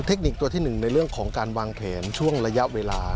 คนิคตัวที่๑ในเรื่องของการวางแผนช่วงระยะเวลา